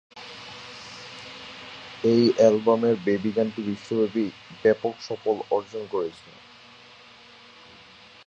এই অ্যালবামের বেবি গানটি বিশ্বব্যাপী ব্যাপক সাফল্য অর্জন করে।